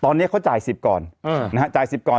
ตอนนี้เขาจ่าย๑๐ก่อน